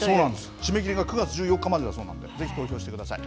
締め切りが９月１４日までだそうなんで、ぜひ投票してください。